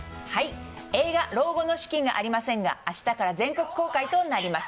映画「老後の資金がありません！」が明日から全国公開となります。